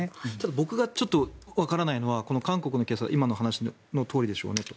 僕がわからないのは韓国のケースは今の話のとおりでしょうねと。